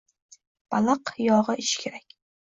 Baliq yogʻi ichish kerak